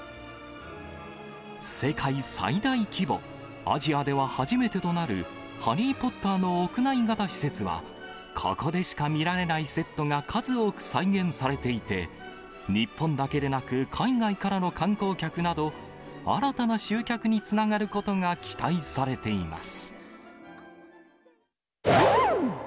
世界最大規模、アジアでは初めてとなるハリー・ポッターの屋内型施設は、ここでしか見られないセットが数多く再現されていて、日本だけでなく海外からの観光客など、新たな集客につながることが期待されています。